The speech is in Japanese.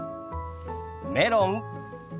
メロン。